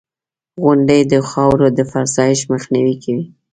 • غونډۍ د خاورو د فرسایش مخنیوی کوي.